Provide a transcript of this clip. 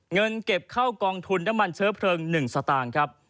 เงินเก็บเข้ากองทุนน้ำมันเชื้อเพลิง๑สตางค์ครับ